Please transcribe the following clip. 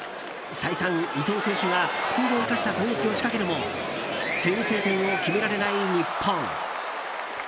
再三、伊東選手がスピードを生かした攻撃を仕掛けるも先制点を決められない日本。